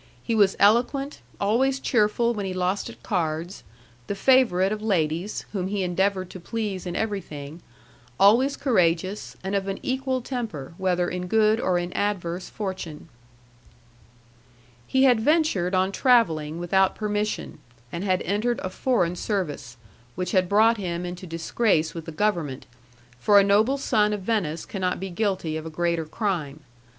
He was eloquent, always cheerful when he lost at cards, the favourite of ladies, whom he endeavoured to please in everything, always courageous, and of an equal temper, whether in good or in adverse fortune. He had ventured on travelling without permission, and had entered a foreign service, which had brought him into disgrace with the government, for a noble son of Venice cannot be guilty of a greater crime.